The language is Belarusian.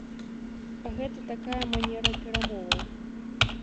Гэта такая манера перамоваў.